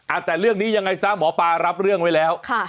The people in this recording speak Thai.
อ่ะแต่เรื่องนี้ยังไงซะหมอปลารับเรื่องไว้แล้วค่ะ